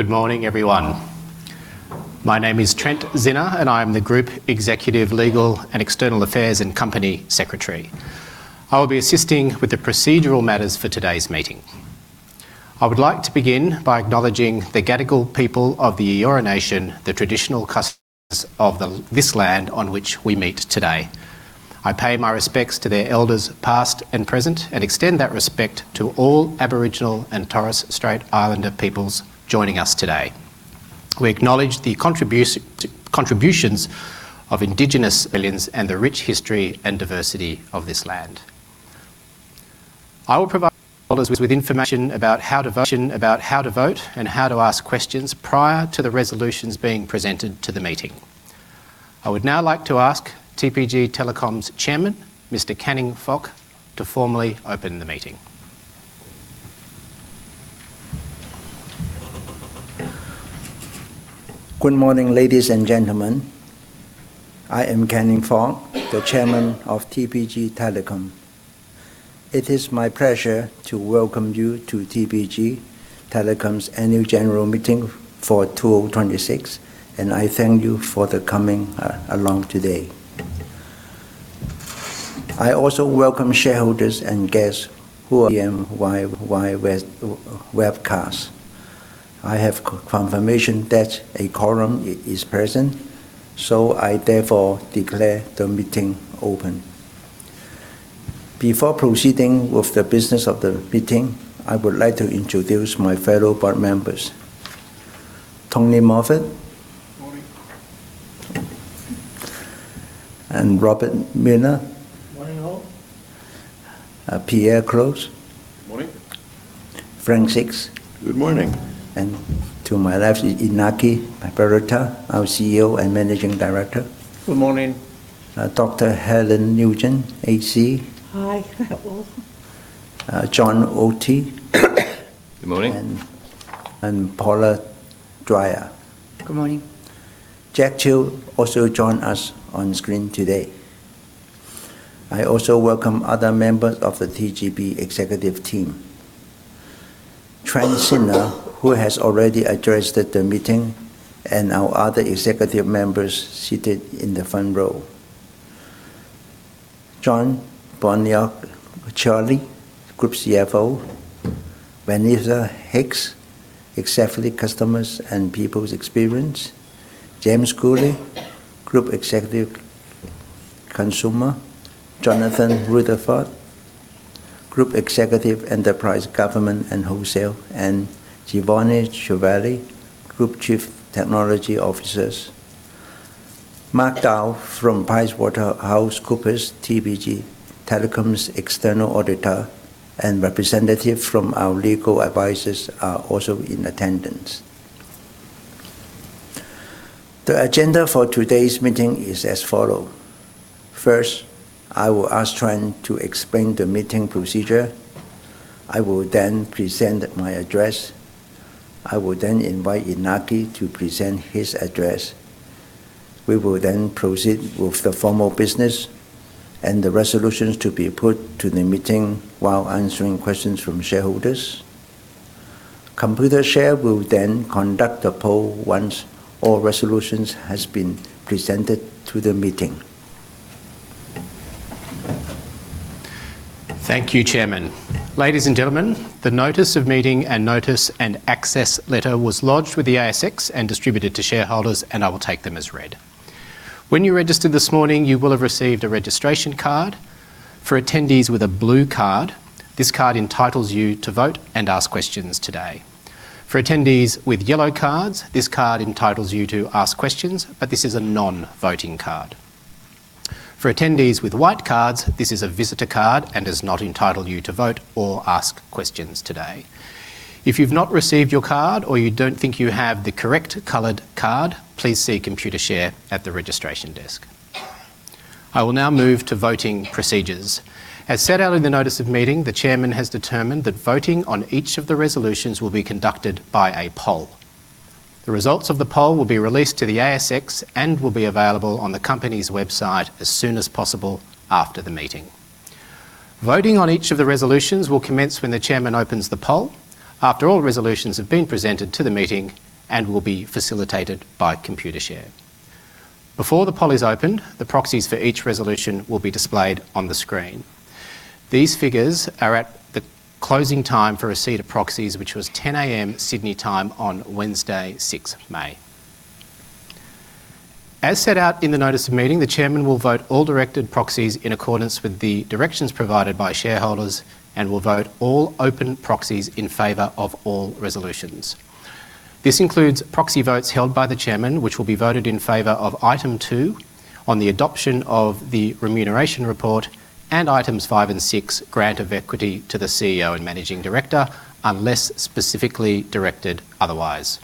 Good morning, everyone. My name is Trent Czinner, and I'm the Group Executive Legal and External Affairs & Company Secretary. I will be assisting with the procedural matters for today's meeting. I would like to begin by acknowledging the Gadigal people of the Eora Nation, the traditional custodians of this land on which we meet today. I pay my respects to their elders past and present, and extend that respect to all Aboriginal and Torres Strait Islander peoples joining us today. We acknowledge the contributions of Indigenous Australians and the rich history and diversity of this land. I will provide shareholders with information about how to vote and how to ask questions prior to the resolutions being presented to the meeting. I would now like to ask TPG Telecom's Chairman, Mr. Canning Fok, to formally open the meeting. Good morning, ladies and gentlemen. I am Canning Fok, the Chairman of TPG Telecom. It is my pleasure to welcome you to TPG Telecom's Annual General Meeting for 2026, and I thank you for the coming along today. I also welcome shareholders and guests who are here via webcast. I have confirmation that a quorum is present. I therefore declare the meeting open. Before proceeding with the business of the meeting, I would like to introduce my fellow board members. Antony Moffatt. Morning. Robert Millner. Morning, all. Pierre Klotz. Morning. Frank Sixt. Good morning. To my left is Iñaki Berroeta, our CEO and Managing Director. Good morning. Dr. Helen Nugent AC. Hi. Hello. John Otty. Good morning. Paula Dwyer. Good morning. Jack Teoh also join us on screen today. I also welcome other members of the TPG executive team. Trent Czinner, who has already addressed the meeting, and our other executive members seated in the front row. John Boniciolli, Group CFO. Vanessa Hicks, Group Executive Customer and People Experience. James Gully, Group Executive Consumer. Jonathan Rutherford, Group Executive, Enterprise, Government and Wholesale. And Giovanni Chiarelli, Group Chief Technology Officer. Mark Dow from PricewaterhouseCoopers, TPG Telecom's external auditor, and representative from our legal advisors are also in attendance. The agenda for today's meeting is as follow. First, I will ask Trent to explain the meeting procedure. I will then present my address. I will then invite Iñaki to present his address. We will then proceed with the formal business and the resolutions to be put to the meeting while answering questions from shareholders. Computershare will then conduct a poll once all resolutions has been presented to the meeting. Thank you, Chairman. Ladies and gentlemen, the notice of meeting and notice and access letter was lodged with the ASX and distributed to shareholders. I will take them as read. When you registered this morning, you will have received a registration card. For attendees with a blue card, this card entitles you to vote and ask questions today. For attendees with yellow cards, this card entitles you to ask questions, but this is a non-voting card. For attendees with white cards, this is a visitor card and does not entitle you to vote or ask questions today. If you've not received your card or you don't think you have the correct colored card, please see Computershare at the registration desk. I will now move to voting procedures. As set out in the notice of meeting, the Chairman has determined that voting on each of the resolutions will be conducted by a poll. The results of the poll will be released to the ASX and will be available on the company's website as soon as possible after the meeting. Voting on each of the resolutions will commence when the Chairman opens the poll after all resolutions have been presented to the meeting and will be facilitated by Computershare. Before the poll is opened, the proxies for each resolution will be displayed on the screen. These figures are at the closing time for receipt of proxies, which was 10:00 A.M. Sydney time on Wednesday, 6th May. As set out in the notice of meeting, the Chairman will vote all directed proxies in accordance with the directions provided by shareholders and will vote all open proxies in favor of all resolutions. This includes proxy votes held by the Chairman, which will be voted in favour of Item 2 on the adoption of the Remuneration Report and Items 5 and 6, grant of equity to the CEO and Managing Director, unless specifically directed otherwise.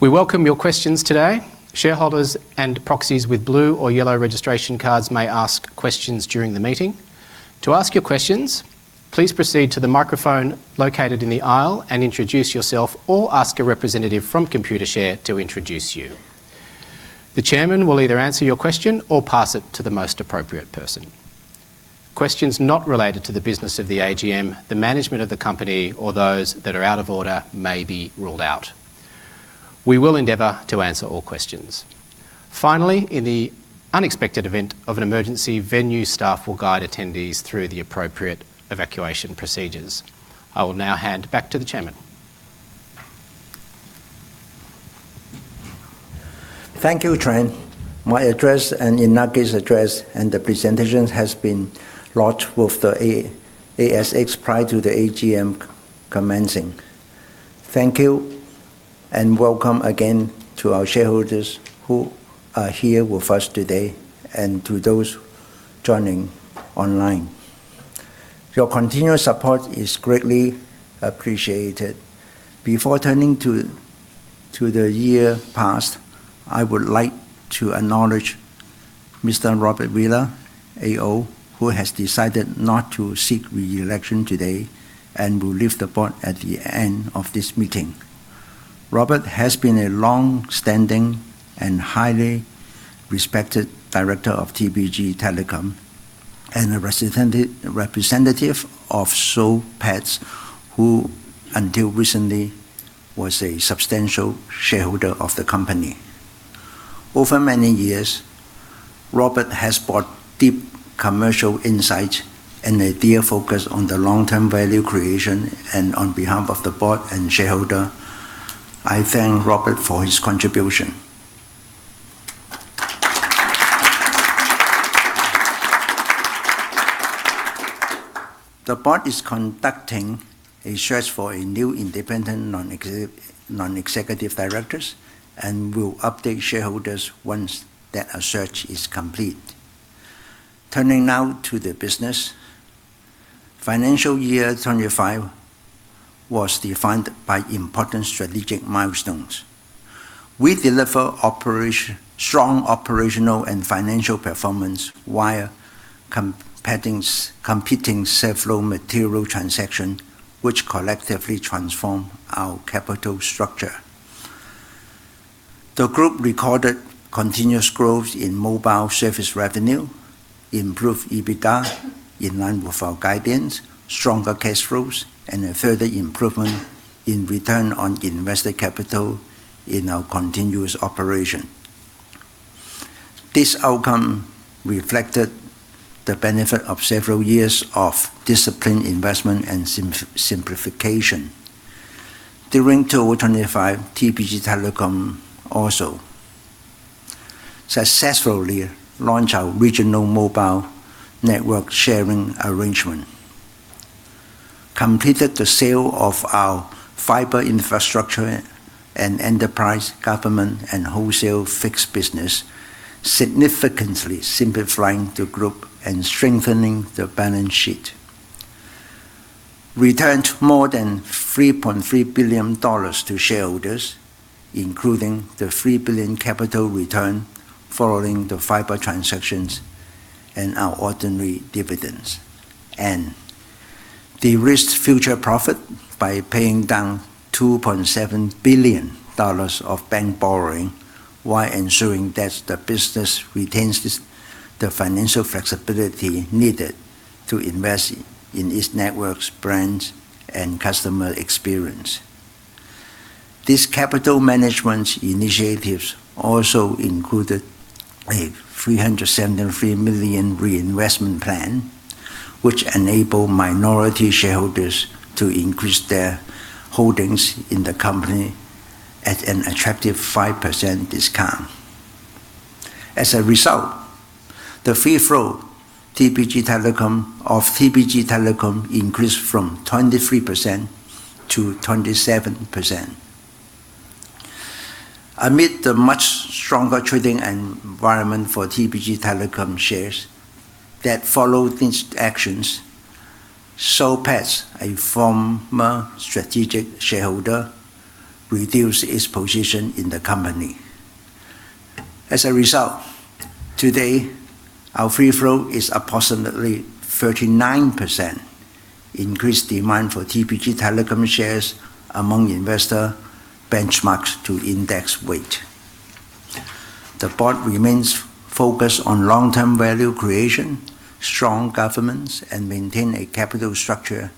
We welcome your questions today. Shareholders and proxies with blue or yellow registration cards may ask questions during the meeting. To ask your questions, please proceed to the microphone located in the aisle and introduce yourself, or ask a representative from Computershare to introduce you. The Chairman will either answer your question or pass it to the most appropriate person. Questions not related to the business of the AGM, the management of the company, or those that are out of order may be ruled out. We will endeavor to answer all questions. Finally, in the unexpected event of an emergency, venue staff will guide attendees through the appropriate evacuation procedures. I will now hand back to the Chairman. Thank you, Trent. My address and Iñaki's address and the presentation has been lodged with the ASX prior to the AGM commencing. Thank you and welcome again to our shareholders who are here with us today and to those joining online. Your continued support is greatly appreciated. Before turning to the year past, I would like to acknowledge Mr. Robert Millner, AO, who has decided not to seek reelection today and will leave the board at the end of this meeting. Robert has been a long-standing and highly respected Director of TPG Telecom and a representative of Soul Patts, who until recently was a substantial shareholder of the company. Over many years, Robert has brought deep commercial insight and a clear focus on the long-term value creation. On behalf of the board and shareholder, I thank Robert for his contribution. The board is conducting a search for a new Independent Non-Executive directors and will update shareholders once that search is complete. Turning now to the business. Financial year 2025 was defined by important strategic milestones. We deliver strong operational and financial performance while completing several material transactions which collectively transform our capital structure. The group recorded continuous growth in mobile service revenue, improved EBITDA in line with our guidance, stronger cash flows and a further improvement in return on invested capital in our continuous operation. This outcome reflected the benefit of several years of disciplined investment and simplification. During 2025, TPG Telecom also successfully launched our regional mobile network sharing arrangement, completed the sale of our fiber infrastructure and Enterprise, Government and Wholesale fixed business, significantly simplifying the group and strengthening the balance sheet, returned more than 3.3 billion dollars to shareholders, including the 3 billion capital return following the fiber transactions and our ordinary dividends, and de-risked future profit by paying down 2.7 billion dollars of bank borrowing while ensuring that the business retains the financial flexibility needed to invest in its networks, brands and customer experience. These capital management initiatives also included a 373 million reinvestment plan, which enable minority shareholders to increase their holdings in the company at an attractive 5% discount. As a result, the free float of TPG Telecom increased from 23%-27%. Amid the much stronger trading environment for TPG Telecom shares that followed these actions, Soul Patts, a former strategic shareholder, reduced its position in the company. As a result, today, our free float is approximately 39%. Increased demand for TPG Telecom shares among investor benchmarks to index weight. The board remains focused on long-term value creation, strong governance, and maintain a capital structure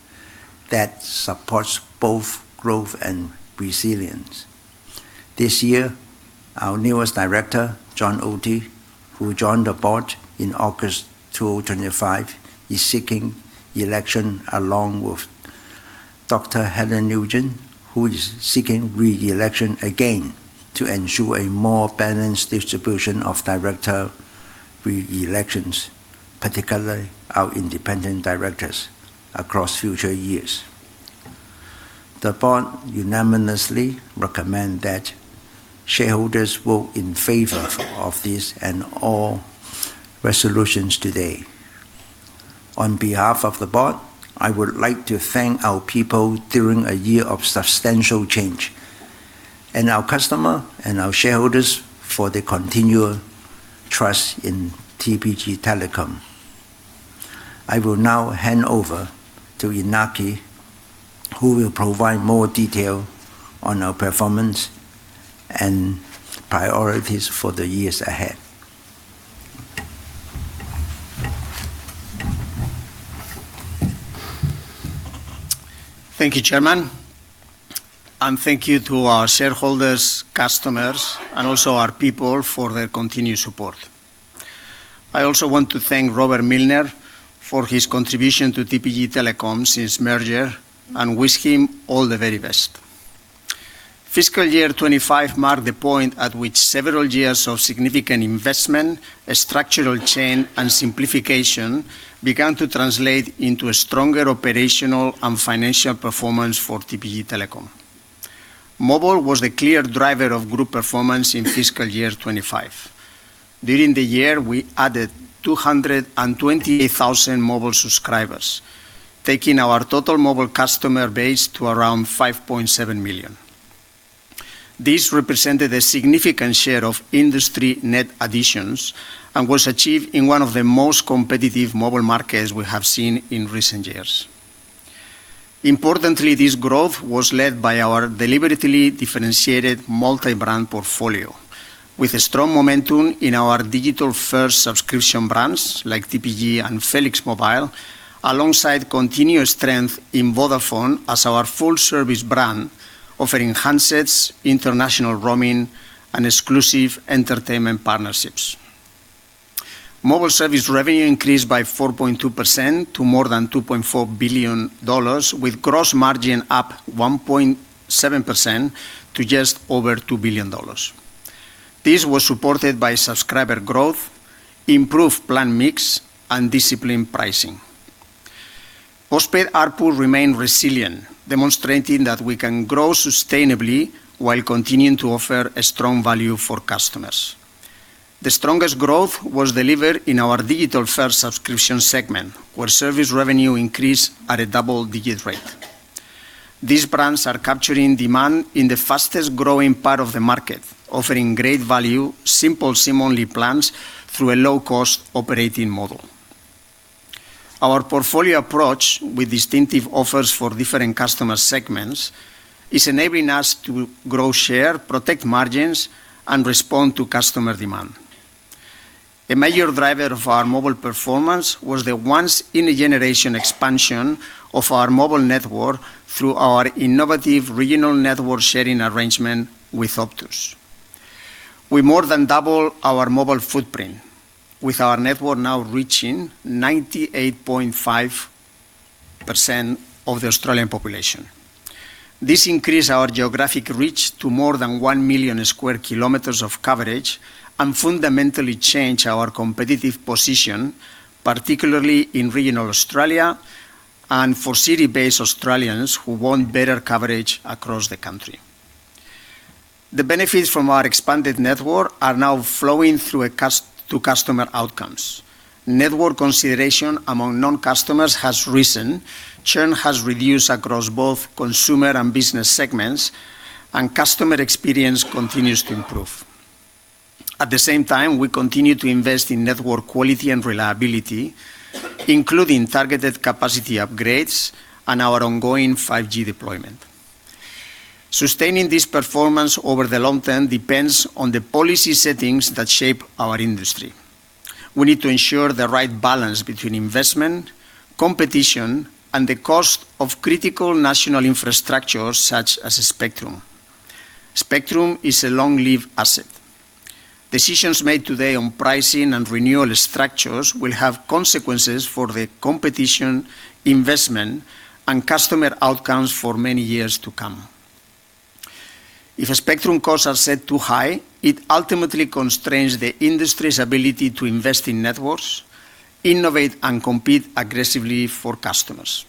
that supports both growth and resilience. This year, our newest director, John Otty, who joined the board in August 2025, is seeking election along with Dr. Helen Nugent, who is seeking reelection again to ensure a more balanced distribution of Director re-elections, particularly our Independent Directors across future years. The Board unanimously recommend that shareholders vote in favour of this and all resolutions today. On behalf of the board, I would like to thank our people during a year of substantial change, and our customer and our shareholders for their continued trust in TPG Telecom. I will now hand over to Iñaki, who will provide more detail on our performance and priorities for the years ahead. Thank you, Chairman, and thank you to our shareholders, customers, and also our people for their continued support. I also want to thank Robert Millner for his contribution to TPG Telecom since merger, and wish him all the very best. Fiscal year 2025 marked the point at which several years of significant investment, a structural change, and simplification began to translate into a stronger operational and financial performance for TPG Telecom. Mobile was the clear driver of group performance in fiscal year 2025. During the year, we added 220,000 mobile subscribers, taking our total mobile customer base to around 5.7 million. This represented a significant share of industry net additions and was achieved in one of the most competitive mobile markets we have seen in recent years. Importantly, this growth was led by our deliberately differentiated multi-brand portfolio with a strong momentum in our digital-first subscription brands like TPG and felix mobile, alongside continuous strength in Vodafone as our full-service brand offering handsets, international roaming, and exclusive entertainment partnerships. Mobile service revenue increased by 4.2% to more than 2.4 billion dollars, with gross margin up 1.7% to just over 2 billion dollars. This was supported by subscriber growth, improved plan mix, and disciplined pricing. Postpaid ARPU remained resilient, demonstrating that we can grow sustainably while continuing to offer a strong value for customers. The strongest growth was delivered in our digital-first subscription segment, where service revenue increased at a double-digit rate. These brands are capturing demand in the fastest-growing part of the market, offering great value, simple SIM-only plans through a low-cost operating model. Our portfolio approach with distinctive offers for different customer segments is enabling us to grow share, protect margins, and respond to customer demand. A major driver of our mobile performance was the once in a generation expansion of our mobile network through our innovative regional network sharing arrangement with Optus. We more than double our mobile footprint, with our network now reaching 98.5% of the Australian population. This increased our geographic reach to more than 1 million sq km of coverage and fundamentally changed our competitive position, particularly in regional Australia and for city-based Australians who want better coverage across the country. The benefits from our expanded network are now flowing through customer outcomes. Network consideration among non-customers has risen. Churn has reduced across both consumer and business segments, and customer experience continues to improve. At the same time, we continue to invest in network quality and reliability, including targeted capacity upgrades and our ongoing 5G deployment. Sustaining this performance over the long term depends on the policy settings that shape our industry. We need to ensure the right balance between investment, competition, and the cost of critical national infrastructure such as spectrum. Spectrum is a long-lived asset. Decisions made today on pricing and renewal structures will have consequences for the competition, investment, and customer outcomes for many years to come. If spectrum costs are set too high, it ultimately constrains the industry's ability to invest in networks, innovate, and compete aggressively for customers.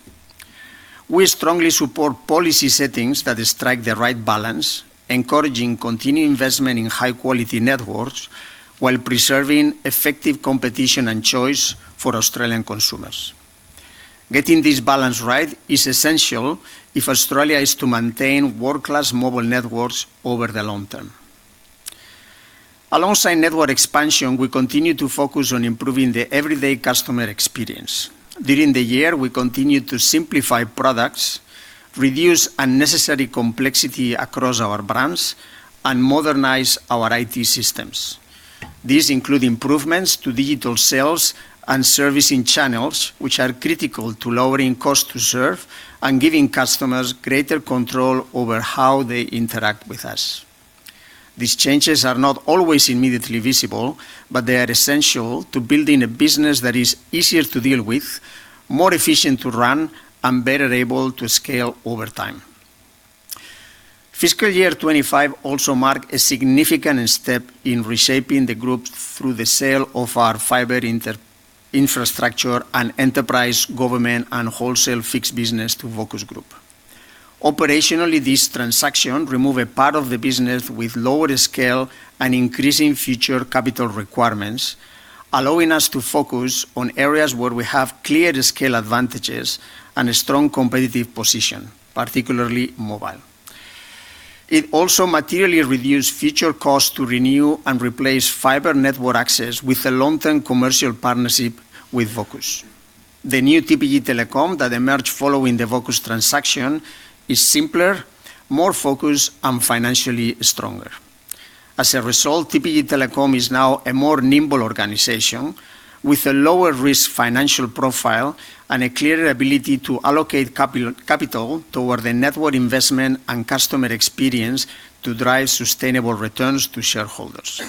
We strongly support policy settings that strike the right balance, encouraging continued investment in high-quality networks while preserving effective competition and choice for Australian consumers. Getting this balance right is essential if Australia is to maintain world-class mobile networks over the long term. Alongside network expansion, we continue to focus on improving the everyday customer experience. During the year, we continued to simplify products, reduce unnecessary complexity across our brands, and modernize our IT systems. These include improvements to digital sales and servicing channels, which are critical to lowering cost to serve and giving customers greater control over how they interact with us. These changes are not always immediately visible, but they are essential to building a business that is easier to deal with, more efficient to run, and better able to scale over time. Fiscal year 2025 also marked a significant step in reshaping the group through the sale of our fiber infrastructure and enterprise government and wholesale fixed business to Vocus Group. Operationally, this transaction remove a part of the business with lower scale and increasing future capital requirements, allowing us to focus on areas where we have clear scale advantages and a strong competitive position, particularly mobile. It also materially reduced future costs to renew and replace fiber network access with a long-term commercial partnership with Vocus. The new TPG Telecom that emerged following the Vocus transaction is simpler, more focused, and financially stronger. As a result, TPG Telecom is now a more nimble organization with a lower risk financial profile and a clear ability to allocate capital toward the network investment and customer experience to drive sustainable returns to shareholders.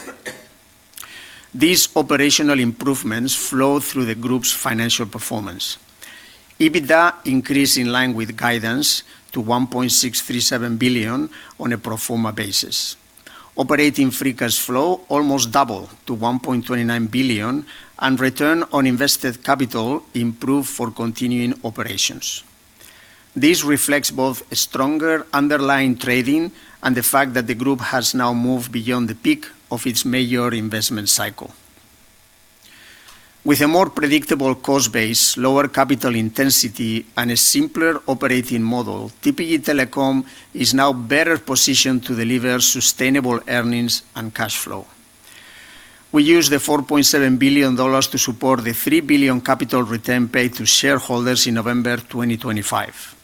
These operational improvements flow through the group's financial performance. EBITDA increased in line with guidance to 1.637 billion on a pro forma basis. Operating free cash flow almost doubled to 1.29 billion, and return on invested capital improved for continuing operations. This reflects both a stronger underlying trading and the fact that the group has now moved beyond the peak of its major investment cycle. With a more predictable cost base, lower capital intensity, and a simpler operating model, TPG Telecom is now better positioned to deliver sustainable earnings and cash flow. We used the 4.7 billion dollars to support the 3 billion capital return paid to shareholders in November 2025,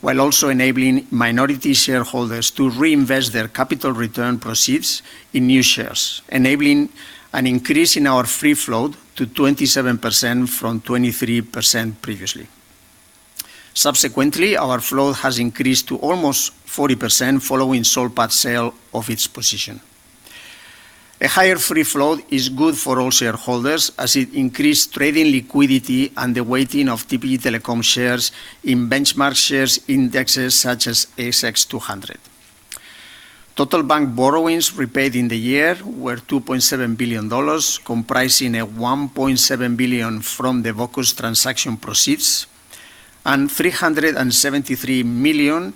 while also enabling minority shareholders to reinvest their capital return proceeds in new shares, enabling an increase in our free float to 27% from 23% previously. Subsequently, our float has increased to almost 40% following Soul Patts' sale of its position. A higher free float is good for all shareholders, as it increased trading liquidity and the weighting of TPG Telecom shares in benchmark shares indexes such as ASX 200. Total bank borrowings repaid in the year were 2.7 billion dollars, comprising 1.7 billion from the Vocus transaction proceeds and 373 million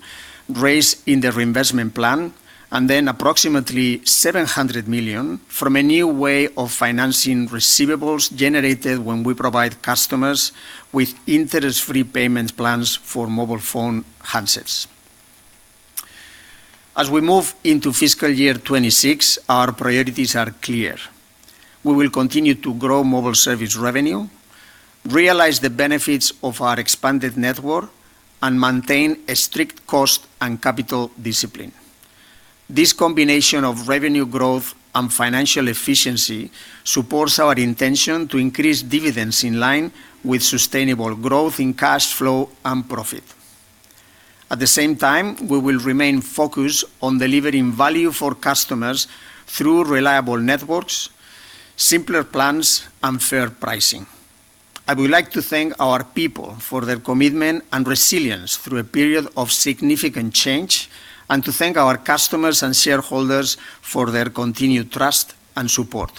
raised in the reinvestment plan, approximately 700 million from a new way of financing receivables generated when we provide customers with interest-free payment plans for mobile phone handsets. As we move into fiscal year 2026, our priorities are clear. We will continue to grow mobile service revenue, realize the benefits of our expanded network, and maintain a strict cost and capital discipline. This combination of revenue growth and financial efficiency supports our intention to increase dividends in line with sustainable growth in cash flow and profit. At the same time, we will remain focused on delivering value for customers through reliable networks, simpler plans, and fair pricing. I would like to thank our people for their commitment and resilience through a period of significant change and to thank our customers and shareholders for their continued trust and support.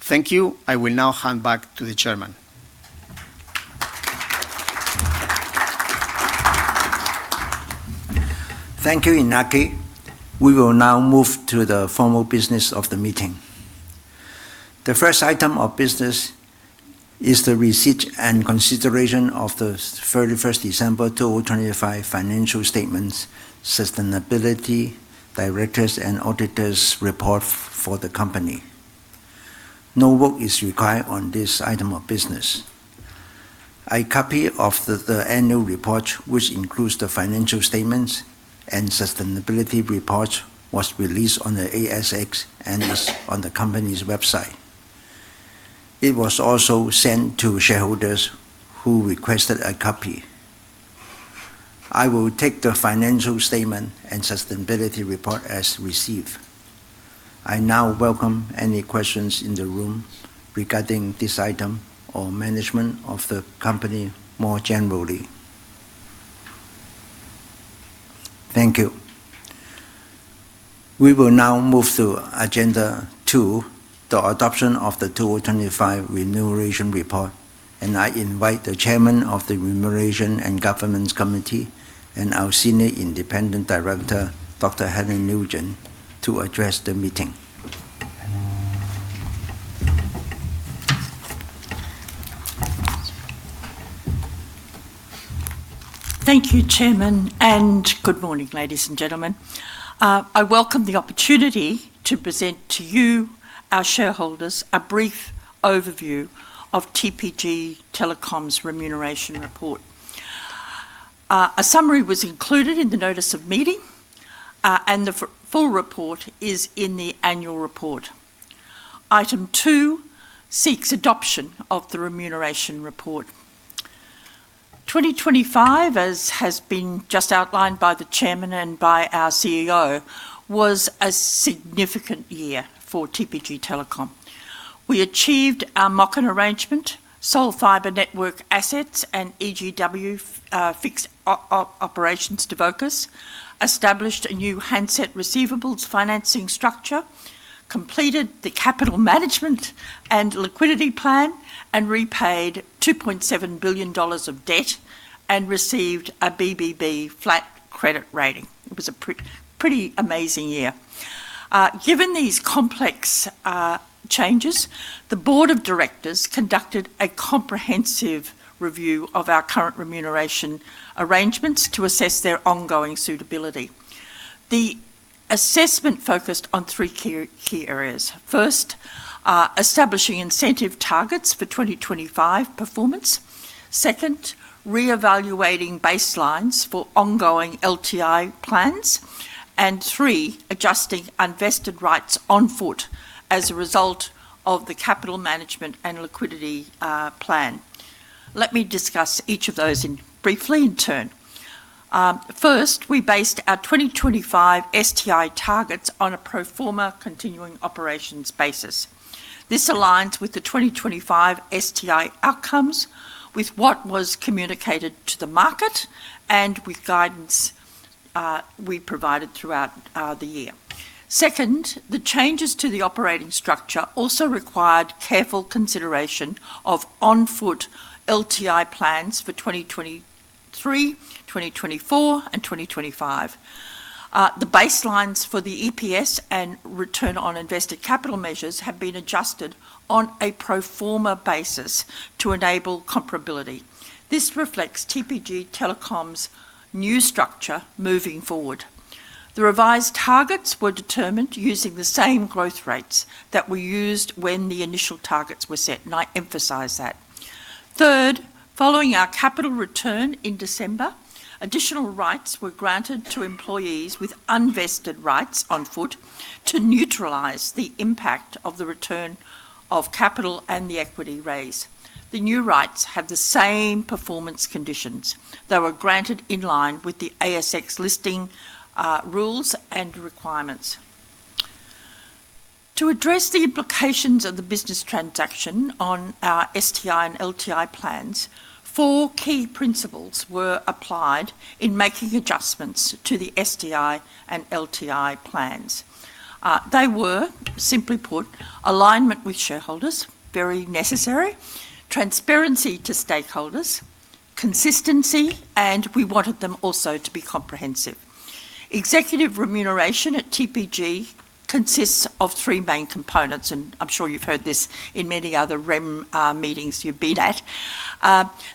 Thank you. I will now hand back to the Chairman. Thank you, Iñaki. We will now move to the formal business of the meeting. The first item of business is the receipt and consideration of the 31st December 2025 financial statements, sustainability, directors' and auditors' report for the company. No vote is required on this item of business. A copy of the annual report, which includes the financial statements and sustainability report, was released on the ASX and is on the company's website. It was also sent to shareholders who requested a copy. I will take the financial statement and sustainability report as received. I now welcome any questions in the room regarding this item or management of the company more generally. Thank you. We will now move to agenda two, the adoption of the 2025 Remuneration Report, and I invite the Chairman of the Remuneration and Governance Committee, and our Senior Independent Director, Dr. Helen Nugent, to address the meeting. Thank you, Chairman. Good morning, ladies and gentlemen. I welcome the opportunity to present to you, our shareholders, a brief overview of TPG Telecom's Remuneration Report. The full report is in the annual report. Item 2 seeks adoption of the Remuneration Report. 2025, as has been just outlined by the Chairman and by our CEO, was a significant year for TPG Telecom. We achieved our MOCN arrangement, sold fiber network assets and EGW fixed operations to Vocus, established a new handset receivables financing structure, completed the capital management and liquidity plan, and repaid 2.7 billion dollars of debt, and received a BBB flat credit rating. It was a pretty amazing year. Given these complex changes, the Board of Directors conducted a comprehensive review of our current remuneration arrangements to assess their ongoing suitability. The assessment focused on three key areas. First, establishing incentive targets for 2025 performance. Second, reevaluating baselines for ongoing LTI plans. Three, adjusting unvested rights on foot as a result of the capital management and liquidity plan. Let me discuss each of those in briefly in turn. First, we based our 2025 STI targets on a pro forma continuing operations basis. This aligns with the 2025 STI outcomes with what was communicated to the market and with guidance we provided throughout the year. Second, the changes to the operating structure also required careful consideration of on-foot LTI plans for 2023, 2024, and 2025. The baselines for the EPS and return on invested capital measures have been adjusted on a pro forma basis to enable comparability. This reflects TPG Telecom's new structure moving forward. The revised targets were determined using the same growth rates that were used when the initial targets were set, and I emphasize that. Third, following our capital return in December, additional rights were granted to employees with unvested rights on foot to neutralize the impact of the return of capital and the equity raise. The new rights have the same performance conditions. They were granted in line with the ASX listing rules and requirements. To address the implications of the business transaction on our STI and LTI plans, four key principles were applied in making adjustments to the STI and LTI plans. They were, simply put, alignment with shareholders, very necessary, transparency to stakeholders, consistency, and we wanted them also to be comprehensive. Executive Remuneration at TPG consists of three main components, and I'm sure you've heard this in many other rem meetings you've been at.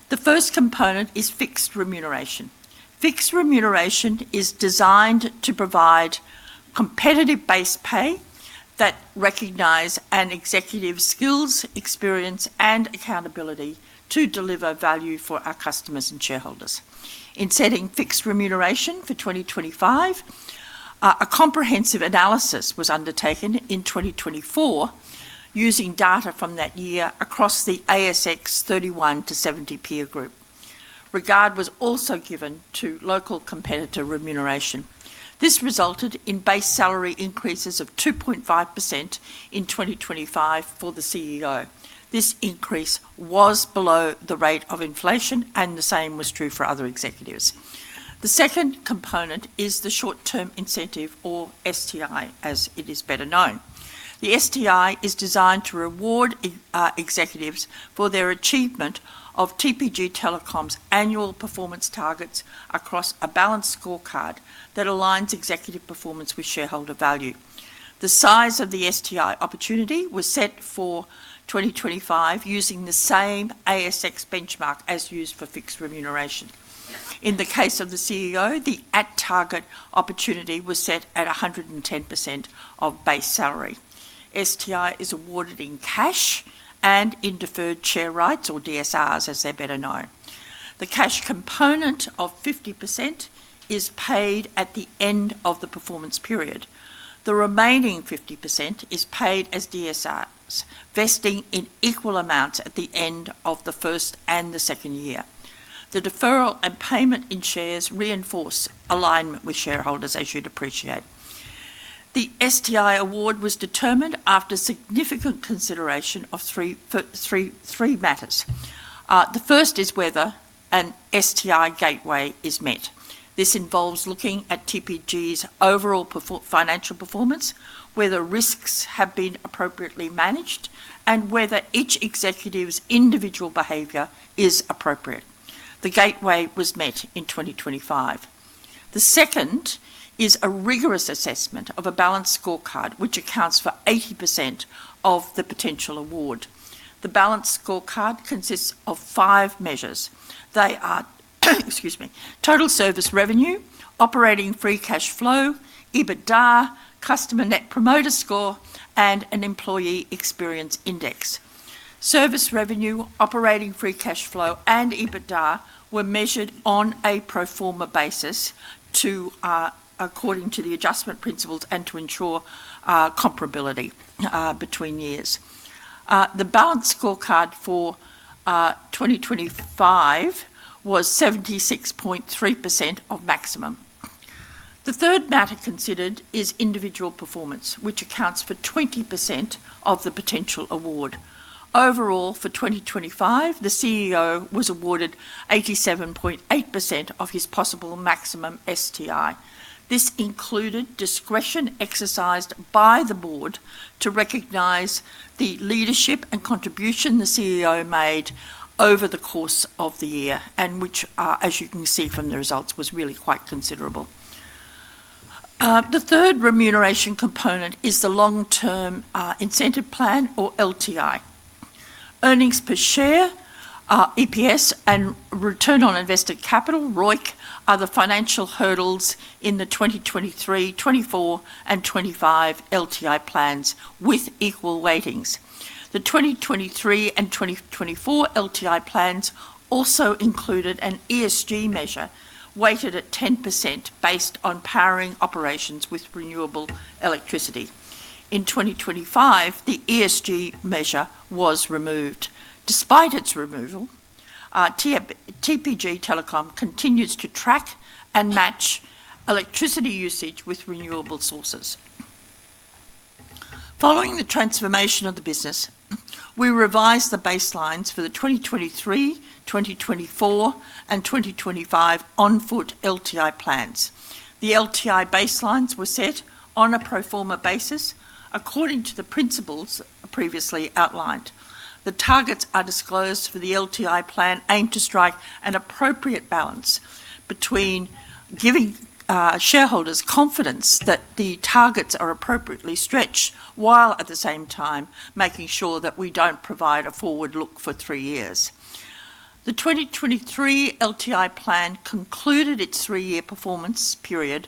The first component is Fixed Remuneration. Fixed Remuneration is designed to provide competitive base pay that recognize an executive's skills, experience, and accountability to deliver value for our customers and shareholders. In setting Fixed Remuneration for 2025, a comprehensive analysis was undertaken in 2024 using data from that year across the ASX 31-70 peer group. Regard was also given to local competitor remuneration. This resulted in base salary increases of 2.5% in 2025 for the CEO. This increase was below the rate of inflation, and the same was true for other executives. The second component is the Short-Term Incentive, or STI, as it is better known. The STI is designed to reward executives for their achievement of TPG Telecom's annual performance targets across a balanced scorecard that aligns executive performance with shareholder value. The size of the STI opportunity was set for 2025 using the same ASX benchmark as used for Fixed Remuneration. In the case of the CEO, the at-target opportunity was set at 110% of base salary. STI is awarded in cash and in deferred share rights, or DSRs, as they're better known. The cash component of 50% is paid at the end of the performance period. The remaining 50% is paid as DSRs, vesting in equal amounts at the end of the first and the second year. The deferral and payment in shares reinforce alignment with shareholders, as you'd appreciate. The STI award was determined after significant consideration of three matters. The first is whether an STI gateway is met. This involves looking at TPG's overall financial performance, whether risks have been appropriately managed, and whether each executive's individual behavior is appropriate. The gateway was met in 2025. The second is a rigorous assessment of a balanced scorecard, which accounts for 80% of the potential award. The balanced scorecard consists of five measures. They are excuse me, total service revenue, operating free cash flow, EBITDA, customer Net Promoter Score, and an employee experience index. Service revenue, operating free cash flow, and EBITDA were measured on a pro forma basis to, according to the adjustment principles and to ensure comparability between years. The balanced scorecard for 2025 was 76.3% of maximum. The third matter considered is individual performance, which accounts for 20% of the potential award. Overall, for 2025, the CEO was awarded 87.8% of his possible maximum STI. This included discretion exercised by the board to recognize the leadership and contribution the CEO made over the course of the year, and which, as you can see from the results, was really quite considerable. The third remuneration component is the Long-Term Incentive Plan or LTI. Earnings per share, EPS, and return on invested capital, ROIC, are the financial hurdles in the 2023, 2024, and 2025 LTI plans with equal weightings. The 2023 and 2024 LTI plans also included an ESG measure weighted at 10% based on powering operations with renewable electricity. In 2025, the ESG measure was removed. Despite its removal, TPG Telecom continues to track and match electricity usage with renewable sources. Following the transformation of the business, we revised the baselines for the 2023, 2024, and 2025 on-foot LTI plans. The LTI baselines were set on a pro forma basis according to the principles previously outlined. The targets are disclosed for the LTI plan aim to strike an appropriate balance between giving shareholders confidence that the targets are appropriately stretched, while at the same time making sure that we don't provide a forward look for three years. The 2023 LTI plan concluded its three-year performance period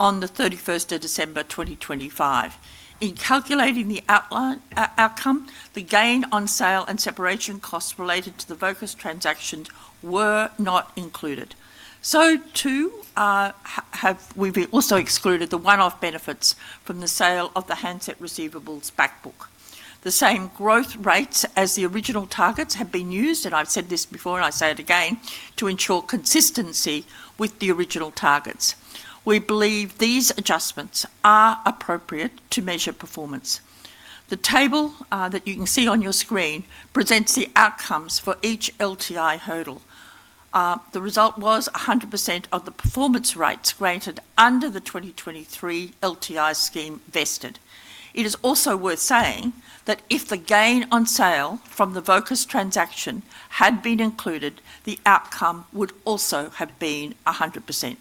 on the 31st of December, 2025. In calculating the outcome, the gain on sale and separation costs related to the Vocus transactions were not included. Too, have we also excluded the one-off benefits from the sale of the handset receivables back book. The same growth rates as the original targets have been used, and I've said this before, and I say it again, to ensure consistency with the original targets. We believe these adjustments are appropriate to measure performance. The table that you can see on your screen presents the outcomes for each LTI hurdle. The result was 100% of the performance rates granted under the 2023 LTI Scheme vested. It is also worth saying that if the gain on sale from the Vocus transaction had been included, the outcome would also have been 100%.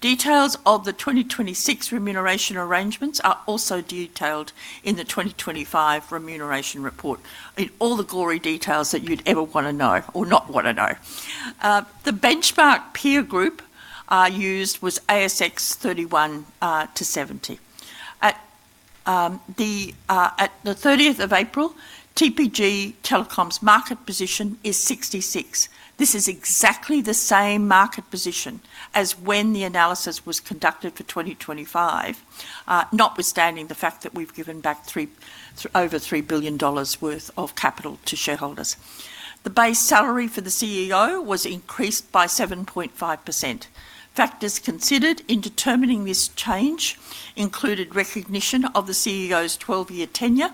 Details of the 2026 Remuneration arrangements are also detailed in the 2025 Remuneration Report, in all the glory details that you'd ever wanna know or not wanna know. The benchmark peer group used was ASX 31-70. At the 30th of April, TPG Telecom's market position is 66. This is exactly the same market position as when the analysis was conducted for 2025, notwithstanding the fact that we've given back over 3 billion dollars worth of capital to shareholders. The base salary for the CEO was increased by 7.5%. Factors considered in determining this change included recognition of the CEO's 12-year tenure,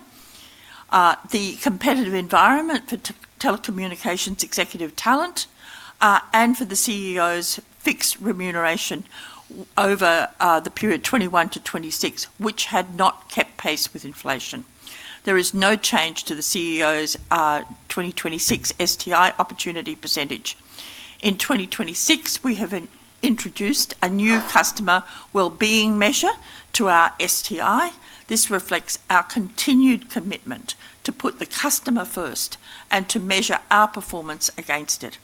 the competitive environment for telecommunications executive talent, and for the CEO's fixed remuneration over the period 2021-2026, which had not kept pace with inflation. There is no change to the CEO's 2026 STI opportunity percentage. In 2026, we have introduced a new customer wellbeing measure to our STI. This reflects our continued commitment to put the customer first and to measure our performance against it.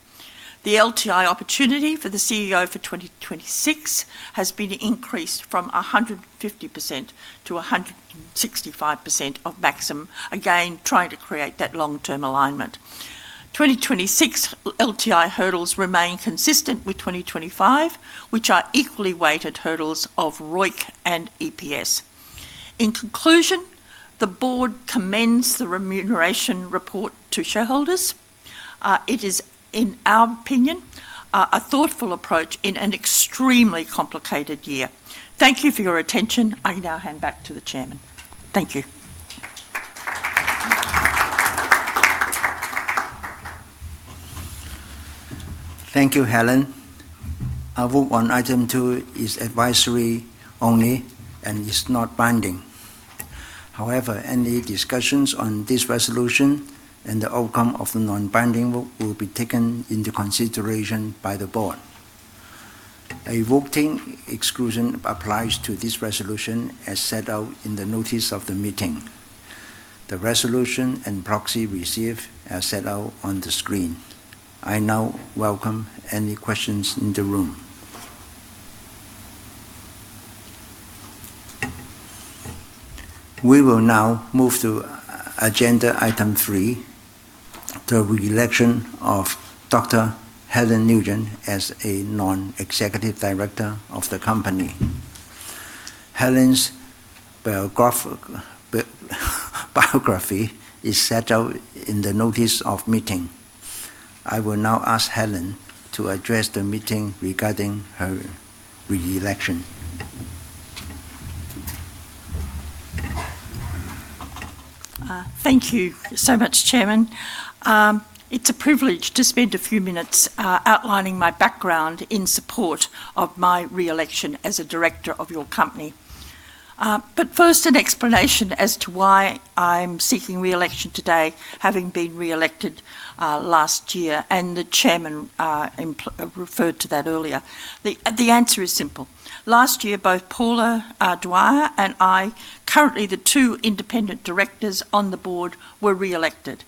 The LTI opportunity for the CEO for 2026 has been increased from 150%-165% of maximum, again, trying to create that long-term alignment. 2026 LTI hurdles remain consistent with 2025, which are equally weighted hurdles of ROIC and EPS. In conclusion, the board commends the Remuneration Report to shareholders. It is, in our opinion, a thoughtful approach in an extremely complicated year. Thank you for your attention. I now hand back to the Chairman. Thank you. Thank you, Helen. Our vote on Item 2 is advisory only and is not binding. Any discussions on this resolution and the outcome of the non-binding vote will be taken into consideration by the board. A voting exclusion applies to this resolution as set out in the notice of the meeting. The resolution and proxy received are set out on the screen. I now welcome any questions in the room. We will now move to agenda Item 3, the re-election of Dr. Helen Nugent as a Non-Executive Director of the company. Helen's biography is set out in the notice of meeting. I will now ask Helen to address the meeting regarding her re-election. Thank you so much, Chairman. It's a privilege to spend a few minutes outlining my background in support of my re-election as a Director of your company. First, an explanation as to why I'm seeking re-election today, having been re-elected last year, and the Chairman referred to that earlier. The answer is simple. Last year, both Paula Dwyer and I, currently the two Independent Directors on the board, were re-elected.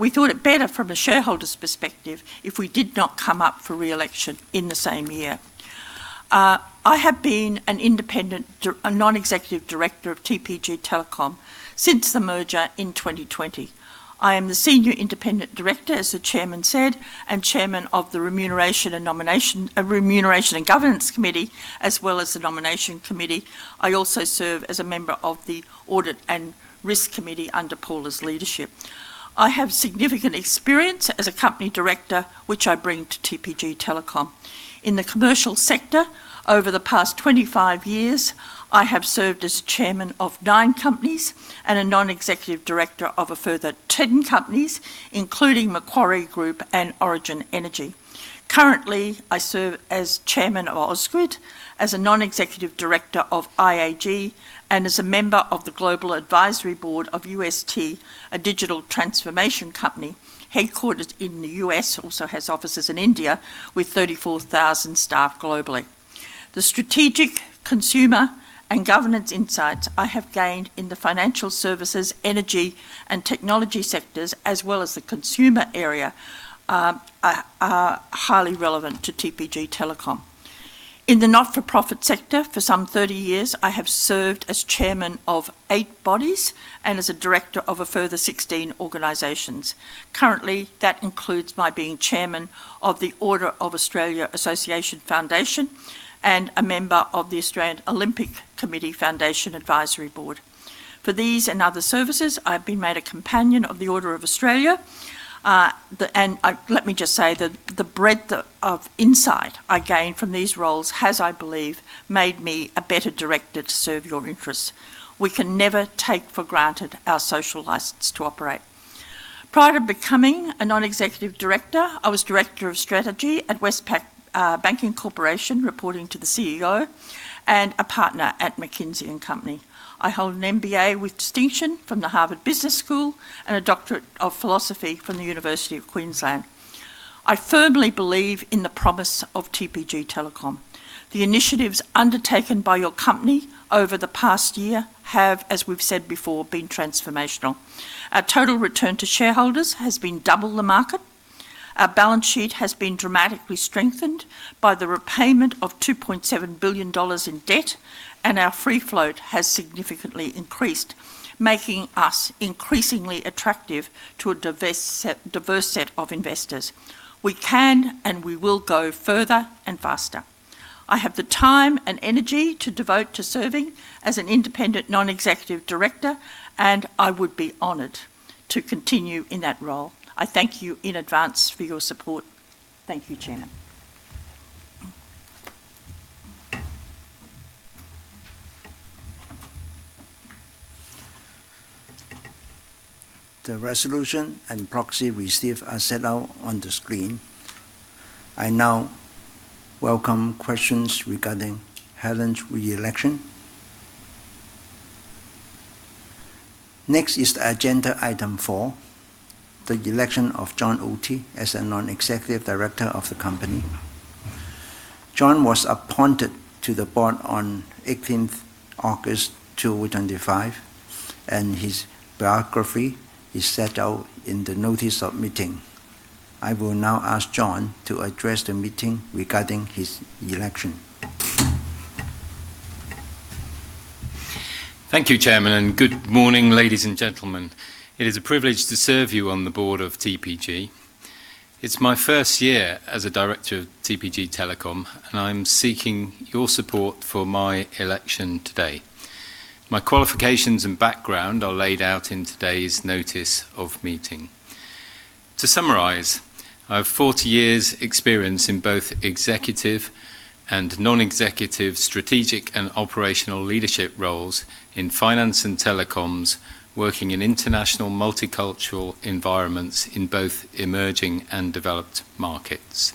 We thought it better from a shareholder's perspective if we did not come up for re-election in the same year. I have been an Independent Non-Executive Director of TPG Telecom since the merger in 2020. I am the Senior Independent Director, as the Chairman said, Chairman of the Remuneration and Governance Committee, as well as the Nomination Committee. I also serve as a member of the Audit and Risk Committee under Paula's leadership. I have significant experience as a company director, which I bring to TPG Telecom. In the commercial sector, over the past 25 years, I have served as Chairman of nine companies and a Non-Executive Director of a further 10 companies, including Macquarie Group and Origin Energy. Currently, I serve as Chairman of Ausgrid, as a Non-Executive Director of IAG, and as a member of the Global Advisory Board of UST, a digital transformation company headquartered in the U.S., also has offices in India, with 34,000 staff globally. The strategic consumer and governance insights I have gained in the financial services, energy, and technology sectors, as well as the consumer area, are highly relevant to TPG Telecom. In the not-for-profit sector for some 30 years, I have served as Chairman of eight bodies and as a Director of a further 16 organizations. Currently, that includes my being Chairman of the Order of Australia Association Foundation and a member of the Australian Olympic Committee Foundation Advisory Board. For these and other services, I've been made a Companion of the Order of Australia. Let me just say that the breadth of insight I gained from these roles has, I believe, made me a better Director to serve your interests. We can never take for granted our social license to operate. Prior to becoming a Non-Executive Director, I was Director of Strategy at Westpac Banking Corporation, reporting to the CEO, and a partner at McKinsey & Company. I hold an MBA with distinction from the Harvard Business School and a Doctorate of Philosophy from the University of Queensland. I firmly believe in the promise of TPG Telecom. The initiatives undertaken by your company over the past year have, as we've said before, been transformational. Our total return to shareholders has been double the market. Our balance sheet has been dramatically strengthened by the repayment of 2.7 billion dollars in debt, and our free float has significantly increased, making us increasingly attractive to a diverse set of investors. We can and we will go further and faster. I have the time and energy to devote to serving as an Independent Non-Executive Director, and I would be honored to continue in that role. I thank you in advance for your support. Thank you, Chair. The resolution and proxy received are set out on the screen. I now welcome questions regarding Helen's re-election. Next is agenda Item 4, the election of John Otty as a Non-Executive Director of the company. John was appointed to the board on 18th August 2025, and his biography is set out in the notice of meeting. I will now ask John to address the meeting regarding his election. Thank you, Chairman, and good morning, ladies and gentlemen. It is a privilege to serve you on the board of TPG. It's my first year as a Director of TPG Telecom, and I'm seeking your support for my election today. My qualifications and background are laid out in today's notice of meeting. To summarize, I have 40 years' experience in both Executive and Non-Executive strategic and operational leadership roles in finance and telecoms, working in international multicultural environments in both emerging and developed markets.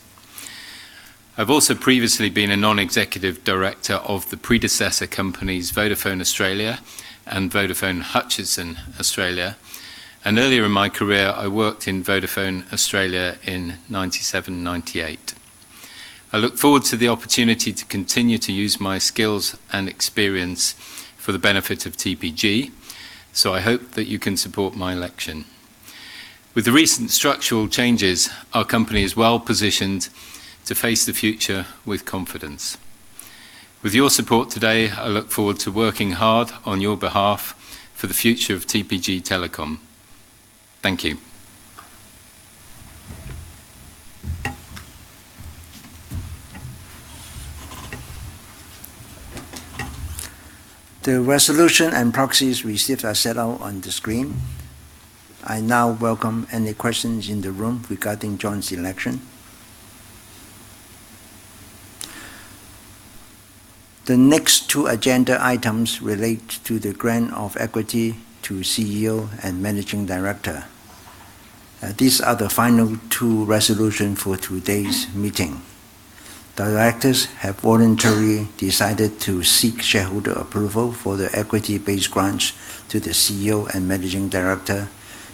I've also previously been a Non-Executive Director of the predecessor companies Vodafone Australia and Vodafone Hutchison Australia, and earlier in my career, I worked in Vodafone Australia in 1997 and 1998. I look forward to the opportunity to continue to use my skills and experience for the benefit of TPG, so I hope that you can support my election. With the recent structural changes, our company is well-positioned to face the future with confidence. With your support today, I look forward to working hard on your behalf for the future of TPG Telecom. Thank you. The resolution and proxies received are set out on the screen. I now welcome any questions in the room regarding John's election. The next two agenda items relate to the grant of equity to CEO and Managing Director. These are the final two resolution for today's meeting. Directors have voluntarily decided to seek shareholder approval for the equity-based grants to the CEO and Managing Director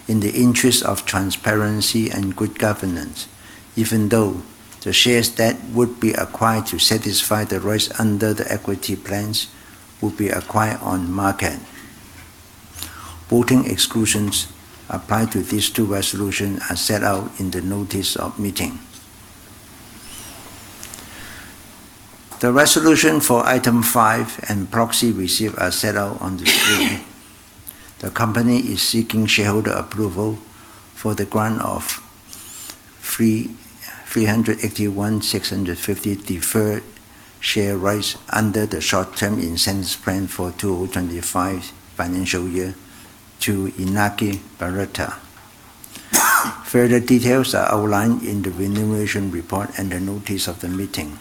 in the interest of transparency and good governance, even though the shares that would be acquired to satisfy the rights under the equity plans will be acquired on market. Voting exclusions apply to these two resolutions are set out in the notice of meeting. The resolution for Item 5 and proxy received are set out on the screen. The company is seeking shareholder approval for the grant of 381,650 Deferred Share Rights under the Short-Term Incentive Plan for 2025 financial year to Iñaki Berroeta. Further details are outlined in the Remuneration Report and the notice of the meeting.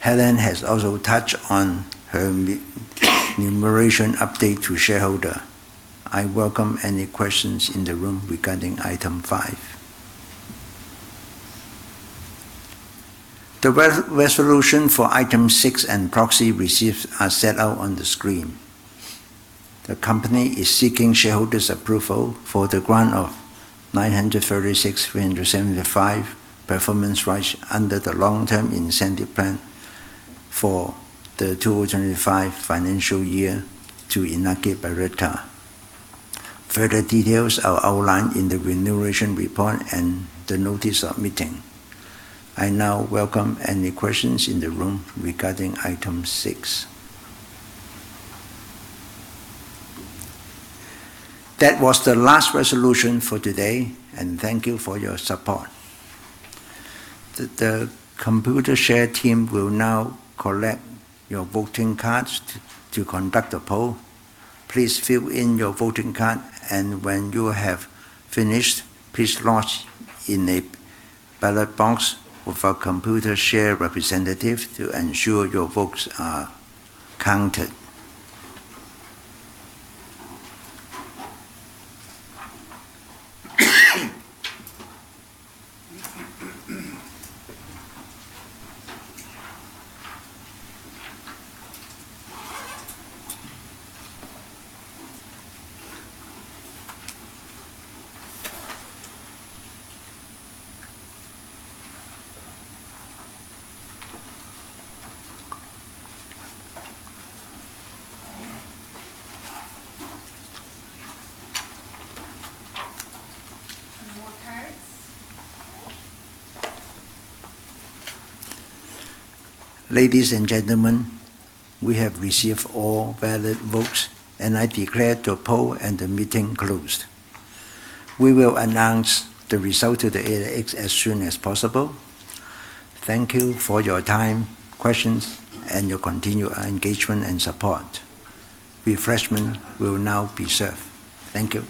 Helen has also touched on her remuneration update to shareholder. I welcome any questions in the room regarding Item 5. The resolution for Item 6 and proxy received are set out on the screen. The company is seeking shareholders' approval for the grant of 936,375 Performance Rights under the Long-Term Incentive Plan for the 2025 financial year to Iñaki Berroeta. Further details are outlined in the Remuneration Report and the Notice of Meeting. I now welcome any questions in the room regarding Item 6. That was the last resolution for today. Thank you for your support. The Computershare team will now collect your voting cards to conduct a poll. Please fill in your voting card. When you have finished, please lodge in a ballot box with our Computershare representative to ensure your votes are counted. Any more cards? Okay. Ladies and gentlemen, we have received all valid votes, and I declare the poll and the meeting closed. We will announce the result of the ASX as soon as possible. Thank you for your time, questions, and your continued engagement and support. Refreshments will now be served. Thank you.